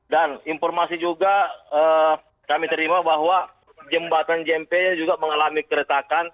dan informasi juga kami terima bahwa jembatan jmp juga mengalami keretakan